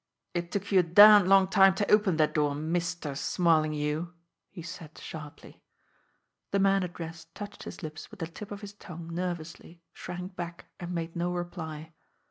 "It took you a damned long time to open that door, Mister Smarlinghue!" he said sharply. The man addressed touched his lips with the tip of his tongue nervously, shrank back, and made no reply.